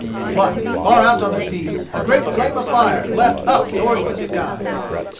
But far out on the sea a great flame of fire leapt up towards the sky.